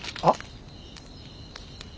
あっ。